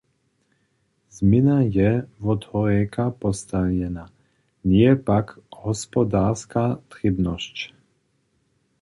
Změna je wothorjeka postajena, njeje pak hospodarska trěbnosć.